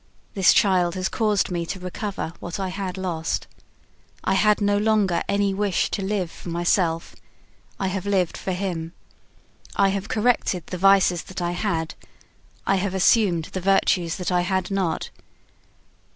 This child has caused me to recover what I had lost. I had no longer any wish to live for myself, I have lived for him. I have corrected the vices that I had; I have assumed the virtues that I had not.